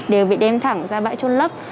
đều bị đem thẳng ra bãi trôn lấp